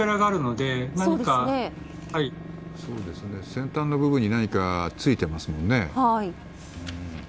先端の部分に何かついていますもんね。